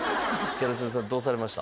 ギャル曽根さんどうされました？